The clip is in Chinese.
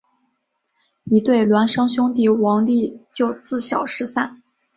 一对孪生兄弟王利就自小失散。